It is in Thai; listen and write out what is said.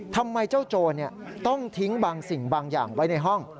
ทำไมเจ้าโจรต้องทิ้งบางสิ่งบางอย่างไว้ในห้อง